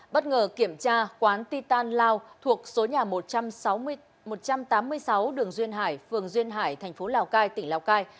bất ngờ kiểm tra quán titan lao thuộc số nhà một trăm tám mươi sáu đường duyên hải phường duyên hải tp lào cai tỉnh lào cai